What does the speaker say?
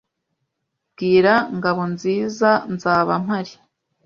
Bwira Ngabonzizanzaba mpari.